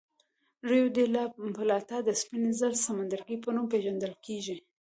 ریو ډي لا پلاتا د سپین زر سمندرګي په نوم پېژندل کېږي.